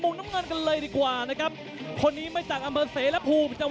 ร้องคู่เอกของเราแสนพลลูกบ้านใหญ่เทคซอลเพชรสร้างบ้านใหญ่